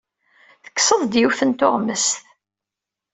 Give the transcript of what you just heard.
Tekkseḍ-d yiwet n tuɣmest.